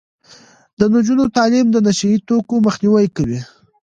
د نجونو تعلیم د نشه يي توکو مخنیوی کوي.